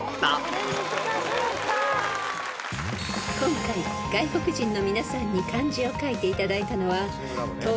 ［今回外国人の皆さんに漢字を書いていただいたのは東京都豊洲にある体験型